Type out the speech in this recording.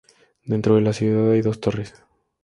Dentro de la ciudad hay dos torres.